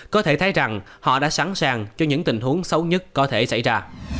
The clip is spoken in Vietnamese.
có thể thấy rằng họ đã sẵn sàng cho những tình huống xấu nhất có thể xảy ra